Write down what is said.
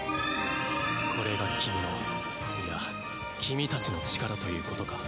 これが君のいや君たちの力ということか。